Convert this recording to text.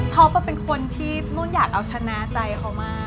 เป็นคนที่นุ่นอยากเอาชนะใจเขามาก